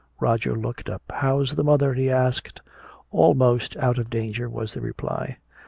Roger looked up. "How's the mother?" he asked. "Almost out of danger," was the reply.